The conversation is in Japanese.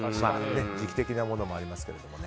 時期的なものもありますけどね。